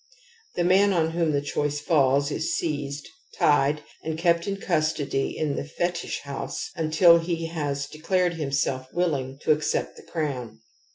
The man on whom the choice falls is seized, tied and kept in custody in the fetish house until he has declared himself willing to accept the crown.